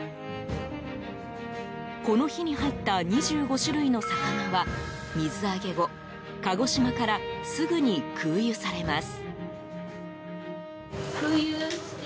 この日に入った２５種類の魚は水揚げ後鹿児島からすぐに空輸されます。